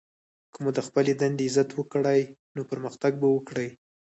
که مو د خپلي دندې عزت وکړئ! نو پرمختګ به وکړئ!